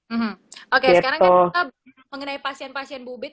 oke sekarang kan kita mengenai pasien pasien bubid